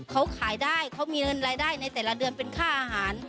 เขาขายได้เขามีเงินรายได้ในแต่ละเดือนเป็นค่าอาหาร